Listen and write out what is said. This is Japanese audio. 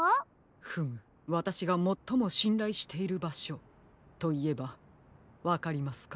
フムわたしがもっともしんらいしているばしょといえばわかりますか？